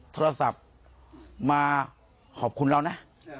โทรศัพท์มาขอบคุณเรานะ